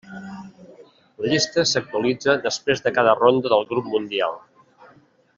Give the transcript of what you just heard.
La llista s'actualitza després de cada ronda del Grup Mundial.